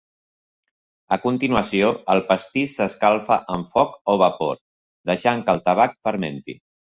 A continuació, el pastís s'escalfa amb foc o vapor, deixant que el tabac fermenti.